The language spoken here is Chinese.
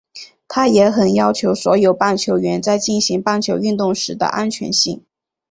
他也很要求所有棒球员在进行棒球运动时的安全性。